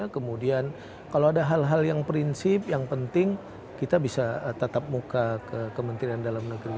kemudian kalau ada hal hal yang prinsip yang penting kita bisa tatap muka ke kementerian dalam negeri